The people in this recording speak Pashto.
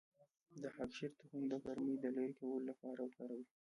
د خاکشیر تخم د ګرمۍ د لرې کولو لپاره وکاروئ